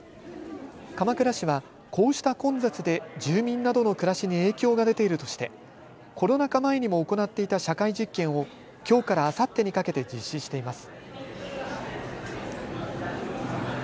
鎌倉市はこうした混雑で住民などの暮らしに影響が出ているとしてコロナ禍前にも行っていた社会実験をきょうからあさってにかけて実施しています。